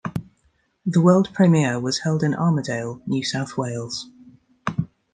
The World Premiere was held in Armidale, New South Wales.